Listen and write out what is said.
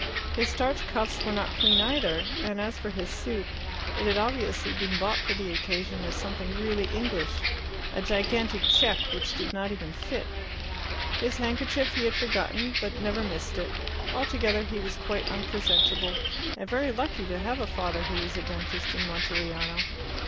His starched cuffs were not clean either, and as for his suit, it had obviously been bought for the occasion as something really English a gigantic check, which did not even fit. His handkerchief he had forgotten, but never missed it. Altogether, he was quite unpresentable, and very lucky to have a father who was a dentist in Monteriano.